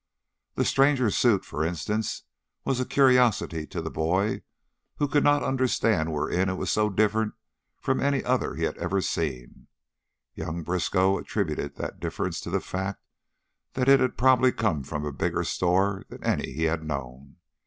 The stranger's suit, for instance, was a curiosity to the boy, who could not understand wherein it was so different from any other he had ever seen; young Briskow attributed that difference to the fact that it had probably come from a bigger store than any he had known.